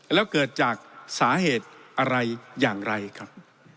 แล้วเกิดจากสาเหตุอะไรอย่างไรครับ